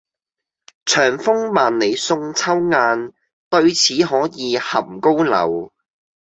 長風萬里送秋雁，對此可以酣高樓。